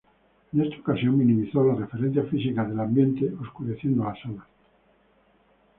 En esa ocasión minimizó las referencias físicas del ambiente, oscureciendo la sala.